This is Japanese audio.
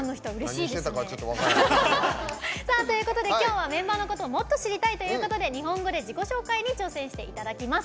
何をしてたかちょっと分からないけど。ということで今日はメンバーのことをもっと知りたいということで日本語で自己紹介に挑戦していただきます。